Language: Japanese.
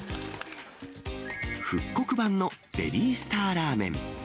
復刻版のベビースターラーメン。